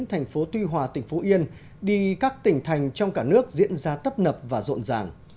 thành phố tuy hòa tỉnh phú yên đi các tỉnh thành trong cả nước diễn ra tấp nập và rộn ràng